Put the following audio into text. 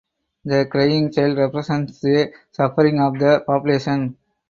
The crying child represents the suffering of the population.